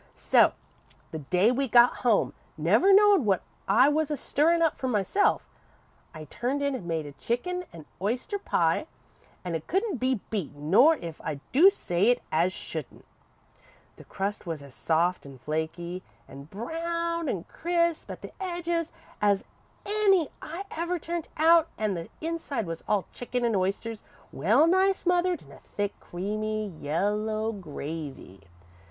"So the day we got home, never knowin' what I was a stirrin' up for myself, I turned in an' made a chicken an' oyster pie, an' it couldn't be beat, not if I do say it as shouldn't. The crust was as soft an' flaky an' brown an' crisp at the edges as any I ever turned out, an' the inside was all chicken an' oysters well nigh smothered in a thick, creamy yellow gravy.